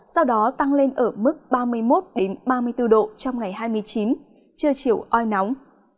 sau đó tăng lên ở mức ba mươi một ba mươi bốn độ trong ngày hai mươi chín trưa chiều oi nóng